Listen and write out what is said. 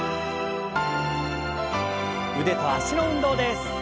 腕と脚の運動です。